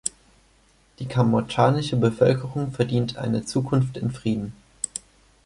Die kambodschanische Bevölkerung verdient eine Zukunft in Frieden.